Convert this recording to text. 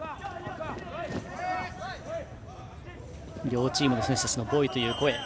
両チームの選手たちのボイという声。